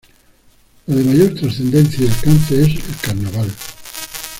La de mayor trascendencia y alcance es el carnaval.